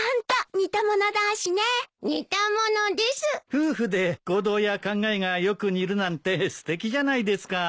夫婦で行動や考えがよく似るなんてすてきじゃないですか。